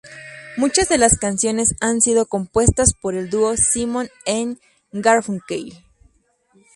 Muchas de las canciones han sido compuestas por el dúo Simon and Garfunkel.